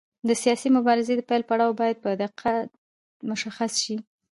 د سیاسي مبارزې د پیل پړاو باید په دقت مشخص شي.